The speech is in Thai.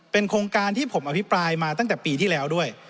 โครงการที่ผมอภิปรายมาตั้งแต่ปีที่แล้วด้วย